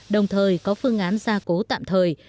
đồng thời có phương án gia cố tạm thời